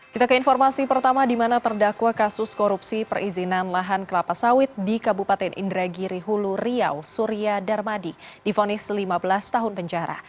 kita ke informasi pertama di mana terdakwa kasus korupsi perizinan lahan kelapa sawit di kabupaten indragiri hulu riau surya darmadi difonis lima belas tahun penjara